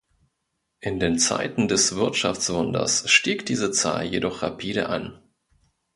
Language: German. In den Zeiten des Wirtschaftswunders stieg diese Zahl jedoch rapide an.